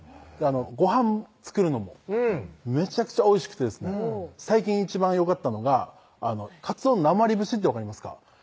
ごはん作るのもめちゃくちゃおいしくてですね最近一番よかったのがかつおのなまり節って分かりますか？